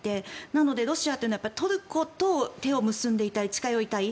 なので、ロシアというのはトルコと手を結んでいたい近寄りたい。